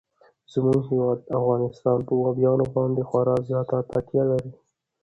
زموږ هیواد افغانستان په بامیان باندې خورا زیاته تکیه لري.